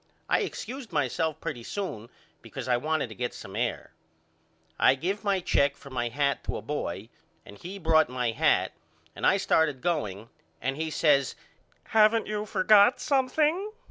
I excused myself pretty soon because I wanted to get some air. I give my check for my hat to a boy and he brought my hat and I started going and he says Haven't you forgot something?